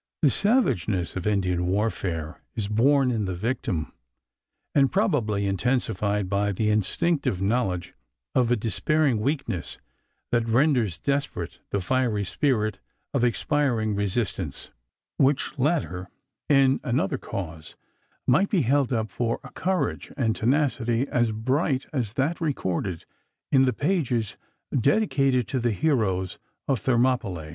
The savageness of Indian warfare is born in the victim, and probably intensified by the instinctive knowledge of a despairing weakness that renders desperate the fiery spirit of expiring resistance, which latter (in another cause) might be held up for a courage and tenacity as bright as that recorded in the pages dedicated to the heroes of Thermopylæ.